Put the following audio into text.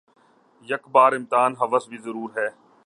یک بار امتحانِ ہوس بھی ضرور ہے